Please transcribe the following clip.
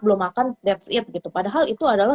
belum makan that's it padahal itu adalah